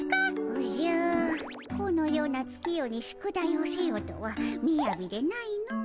おじゃこのような月夜に宿題をせよとはみやびでないのう。